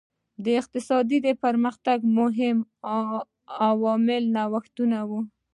د اقتصادي پرمختګ مهم عامل نوښتونه وو.